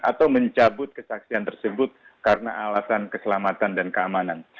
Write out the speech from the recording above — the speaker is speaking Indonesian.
atau mencabut kesaksian tersebut karena alasan keselamatan dan keamanan